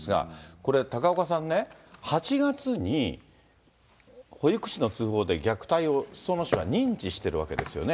これ、高岡さんね、８月に保育士の通報で虐待を裾野市は認知しているわけですよね。